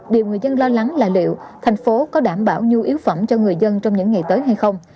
điều người dân lo lắng là liệu thành phố có đảm bảo nhu yếu phẩm cho người dân trong những ngày tới hay không